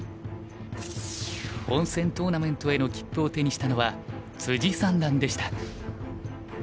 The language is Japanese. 本戦トーナメントへの切符を手にしたのは三段でした。